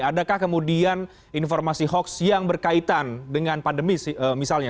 adakah kemudian informasi hoax yang berkaitan dengan pandemi misalnya